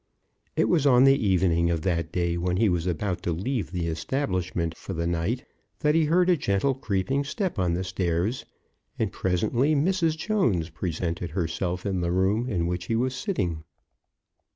It was on the evening of that day, when he was about to leave the establishment for the night, that he heard a gentle creeping step on the stairs, and presently Mrs. Jones presented herself in the room in which he was sitting.